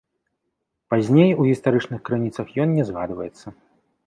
Пазней у гістарычных крыніцах ён не згадваецца.